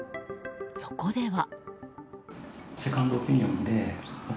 そこでは。